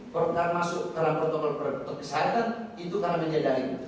perut perut yang masuk dalam protokol perut perut kesehatan itu karena media daring